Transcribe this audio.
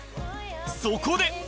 そこで！